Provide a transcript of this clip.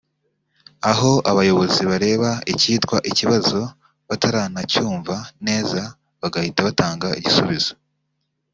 aho abayobozi bareba ikitwa ikibazo bataranacyumva neza bagahita batanga igisubizo